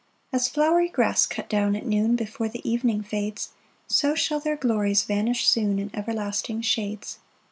2 As flowery grass cut down at noon, Before the evening fades So shall their glories vanish soon In everlasting shades.